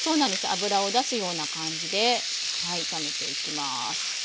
脂を出すような感じではい炒めていきます。